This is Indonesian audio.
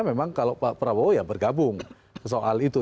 karena memang kalau pak prabowo ya bergabung soal itu